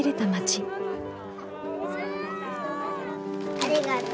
ありがとう。